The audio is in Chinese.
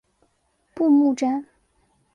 布目站。